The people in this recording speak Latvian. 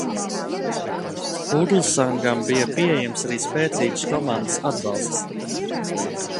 Fūglsangam bija pieejams arī spēcīgas komandas atbalsts.